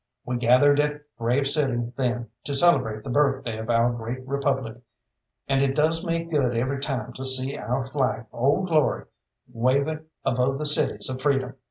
We gathered at Grave City then to celebrate the birthday of our great republic, and it does me good every time to see our flag Old Glory waving above the cities of freedom.